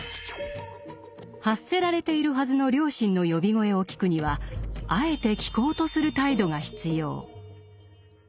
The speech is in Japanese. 発せられているはずの「良心の呼び声」を聞くにはあえて聴こうとする態度が必要。